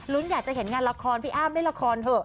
รุ้นอยากจะเห็นงานละครพี่อ้ำได้ละครเถอะ